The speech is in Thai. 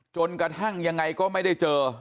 จนกระทั่งยังไงก็ไม่ได้เจอ